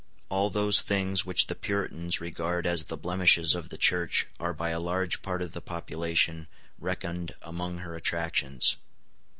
All those things which the Puritans regard as the blemishes of the Church are by a large part of the population reckoned among her attractions.